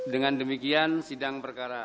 dengan demikian sidang perkara